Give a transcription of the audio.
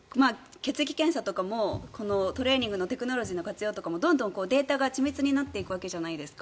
血液検査とかもトレーニングのテクノロジーの活用とかもどんどんデータが緻密になっていくわけじゃないですか。